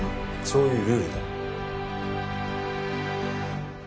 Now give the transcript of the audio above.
そういうルールだ。